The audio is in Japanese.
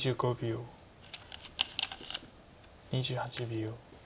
２８秒。